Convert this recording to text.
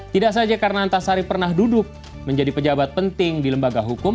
tidak saja karena antasari pernah duduk menjadi pejabat penting di lembaga hukum